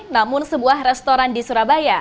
namun sebuah restoran di surabaya